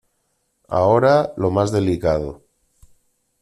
Ahora, lo más delicado.